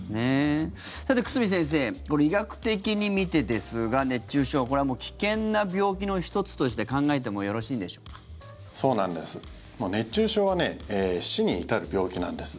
さて、久住先生医学的に見てですが熱中症これは危険な病気の１つとしてそうなんです。熱中症は死に至る病気なんです。